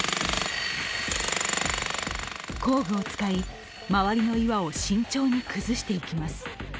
工具を使い、周りの岩を慎重に崩していきます。